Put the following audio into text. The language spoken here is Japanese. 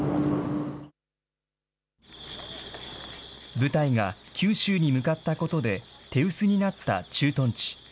部隊が九州に向かったことで、手薄になった駐屯地。